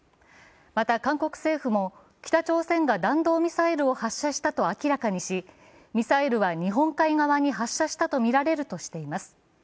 また、韓国政府も、北朝鮮が弾道ミサイルを発射したと明らかにし、ミサイルは日本海側に発射したとみられるとしています。